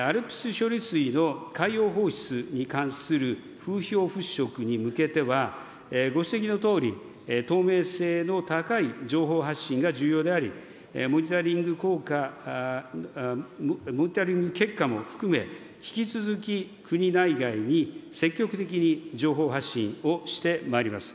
ＡＬＰＳ処理水の海洋放出に関する風評払拭に向けては、ご指摘のとおり、透明性の高い情報発信が重要であり、モニタリング効果、モニタリング結果も含め、引き続き、国内外に積極的に情報発信をしてまいります。